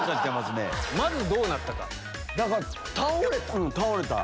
まずどうなったか。